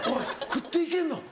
食っていけんの？